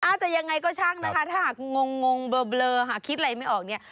จะยังไงก็ช่างนะคะถ้าหากงงเบลอหาคิดอะไรไม่ออกเนี่ย